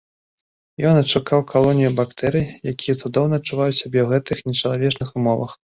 Ён адшукаў калонію бактэрый, якія цудоўна адчуваюць сябе ў гэтых нечалавечых умовах.